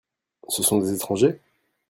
Ce sont des étrangers ?